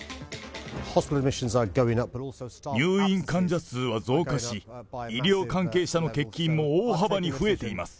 入院患者数は増加し、医療関係者の欠勤も大幅に増えています。